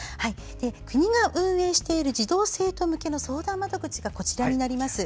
国が運営している児童生徒向けの相談窓口がこちらになります。